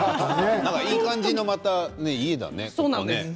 いい感じの家だね、また。